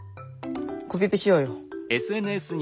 コピペしようよ。